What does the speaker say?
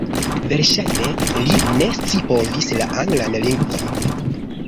Verŝajne li ne scipovis la anglan lingvon.